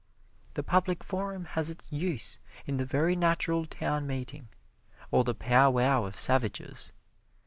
The public forum has its use in the very natural town meeting, or the powwow of savages.